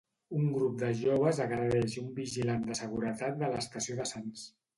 Un grup de joves agredeix un vigilant de seguretat de l'estació de Sants.